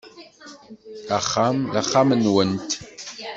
Axxam d axxam-nwent.